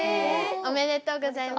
おめでとうございます。